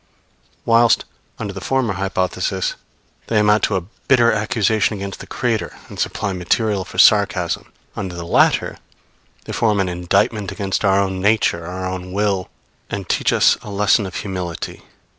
Whilst, under the former hypothesis, they amount to a bitter accusation against the Creator, and supply material for sarcasm; under the latter they form an indictment against our own nature, our own will, and teach us a lesson of humility.